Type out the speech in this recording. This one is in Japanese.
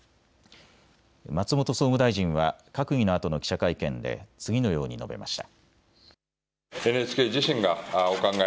松本総務大臣は閣議のあとの記者会見で次のように述べました。